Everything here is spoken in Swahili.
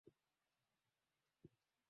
ana semamba makinda naapa kwamba